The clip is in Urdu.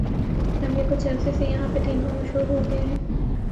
اب یہ کچھ عرصے سے یہاں پہ تیندوا مشہور ہوگیاہے